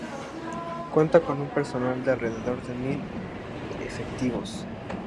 Cuenta con un personal de alrededor de mil efectivos.